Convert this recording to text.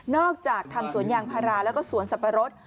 อกจากทำสวนยางพาราแล้วก็สวนสับปะรด